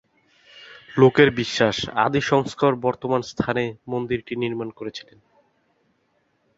লোকের বিশ্বাস, আদি শঙ্কর বর্তমান স্থানে মন্দিরটি নির্মাণ করেছিলেন।